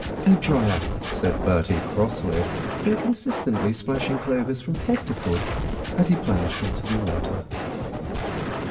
"Oh, dry up," said Bertie crossly, inconsistently splashing Clovis from head to foot as he plunged into the water.